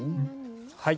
はい。